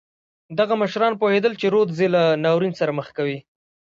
دغه مشران پوهېدل چې رودز یې له ناورین سره مخ کوي.